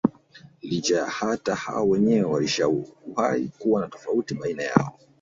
Licha hata hao wenyewe walishawahi kuwa na tofauti baina yao